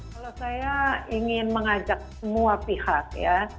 kalau saya ingin mengajak semua pihak ya